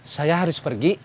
saya harus pergi